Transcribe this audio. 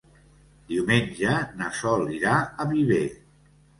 Diumenge na Sol irà a Viver.